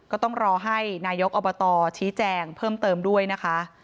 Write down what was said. ก็ต้องรอให้นายกอบตชี้แจงเพิ่มเติมด้วยนะคะ